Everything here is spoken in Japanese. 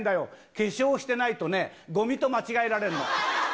化粧してないとね、ごみと間違えられるの。